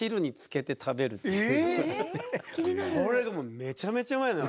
これがめちゃめちゃうまいのよ。